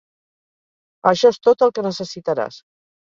Això és tot el que necessitaràs.